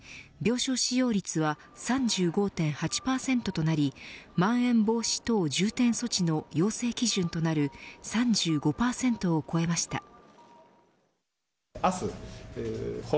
病床使用率は３５．８％となりまん延防止等重点措置の行政基準となる３５％を超えました。